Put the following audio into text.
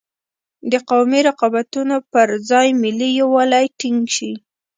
د قومي رقابتونو پر ځای ملي یوالی ټینګ شي.